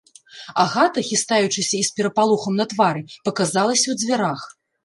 Агата, хістаючыся і з перапалохам на твары, паказалася ў дзвярах.